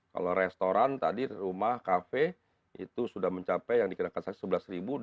kalau restoran tadi rumah cafe itu sudah mencapai yang dikenakan sebelas ribu